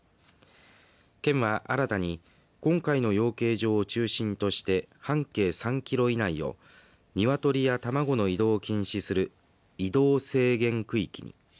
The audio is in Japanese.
県は新たに今回の養鶏場を中心として半径３キロ以内を鶏や卵の移動を禁止する移動制限区域に。